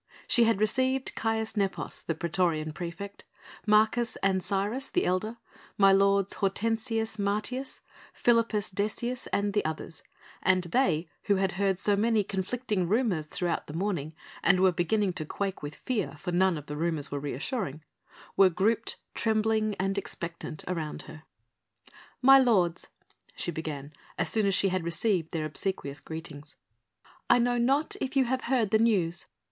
She had received Caius Nepos, the praetorian praefect, Marcus Ancyrus, the elder, my lords Hortensius Martius, Philippus Decius and the others, and they, who had heard so many conflicting rumours throughout the morning and were beginning to quake with fear, for none of the rumours were reassuring, were grouped trembling and expectant around her. "My lords," she began as soon as she had received their obsequious greetings, "I know not if you have heard the news.